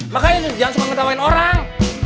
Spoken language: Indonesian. makanya jangan ngetawain orang